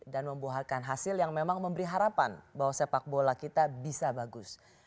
membuahkan hasil yang memang memberi harapan bahwa sepak bola kita bisa bagus